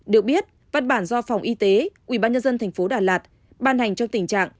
được biết văn bản do phòng y tế quỹ ban nhân dân tp đà lạt ban hành trong tình trạng